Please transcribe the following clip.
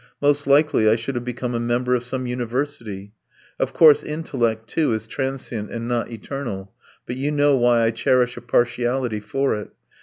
Most likely I should have become a member of some university. Of course, intellect, too, is transient and not eternal, but you know why I cherish a partiality for it.